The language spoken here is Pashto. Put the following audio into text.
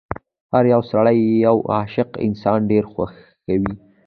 هر يو سړی یو عاشق انسان ډېر خوښوي.